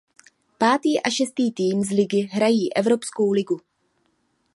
Pátý a šestý tým z ligy hrají Evropskou ligu.